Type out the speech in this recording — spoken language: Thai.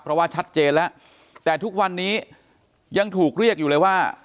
เพราะว่าชัดเจนแล้วแต่ทุกวันนี้ยังถูกเรียกอยู่เลยว่า